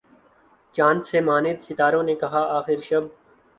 چاند سے ماند ستاروں نے کہا آخر شب